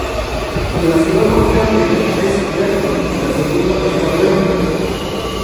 La ciudad más grande es Bergen y la segunda Stavanger.